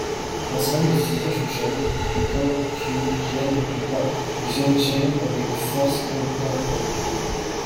Ensemble, ils saisirent Shouchun, puis Guanqiu Jian occupa Xiangcheng avec une force comptant hommes.